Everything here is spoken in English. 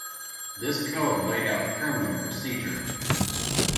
This code laid out criminal procedure.